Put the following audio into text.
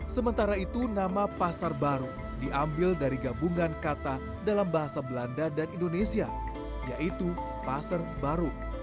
sementara itu nama pasar baru diambil dari gabungan kata dalam bahasa belanda dan indonesia yaitu pasar baru